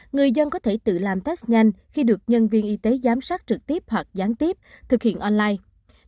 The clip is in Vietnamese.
người dân có thể tự làm test nhanh khi được nhân viên y tế giám sát trực tiếp hoặc gián tiếp thực hiện online